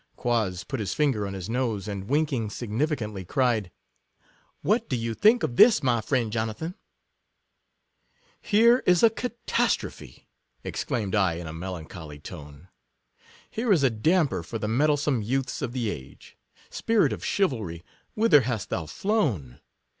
Quoz put his finger on his nose, and winking significantly, cried, " what do you think of this, my friend Jonathan ?"" Here is a catastrophe," exclaimed I, in a melancholy tone. " Here is a damper for the mettlesome youths of the age. Spirit of chivalry, whither hast thou flown!